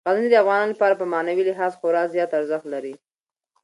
غزني د افغانانو لپاره په معنوي لحاظ خورا زیات ارزښت لري.